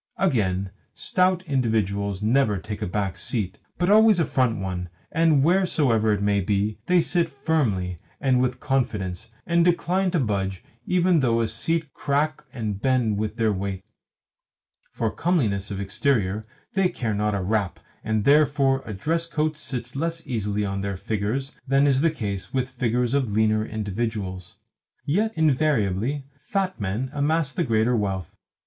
Again, stout individuals never take a back seat, but always a front one, and, wheresoever it be, they sit firmly, and with confidence, and decline to budge even though the seat crack and bend with their weight. For comeliness of exterior they care not a rap, and therefore a dress coat sits less easily on their figures than is the case with figures of leaner individuals. Yet invariably fat men amass the greater wealth.